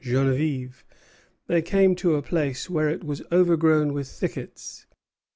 Geneviève, they came to a place where it was overgrown with thickets.